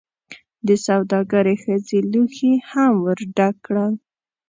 دسوداګرې ښځې لوښي هم ورډک کړل.